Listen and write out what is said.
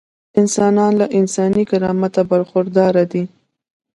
انسانان له انساني کرامته برخورداره دي.